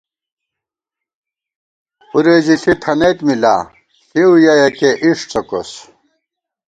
پُرے ژِݪی تھنَئیت می لا ، ݪِؤ یَیَکِیہ اِݭ څوکوس